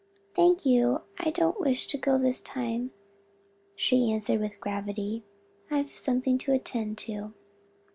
"Thank you, I don't wish to go this time," she answered with gravity. "I've something to attend to."